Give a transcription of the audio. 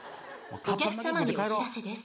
お客さまにお知らせです。